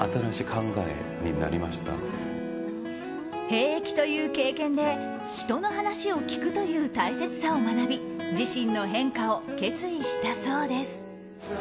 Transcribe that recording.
兵役という経験で人の話を聞くという大切さを学び自身の変化を決意したそうです。